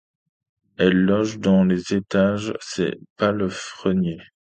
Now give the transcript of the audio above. Elle loge dans les étages ses palefreniers.